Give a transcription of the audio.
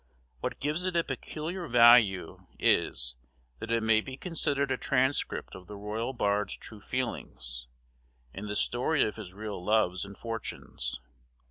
What gives it a peculiar value, is, that it may be considered a transcript of the royal bard's true feelings, and the story of his real loves and fortunes.